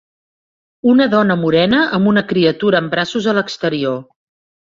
Una dona morena amb una criatura en braços a l'exterior.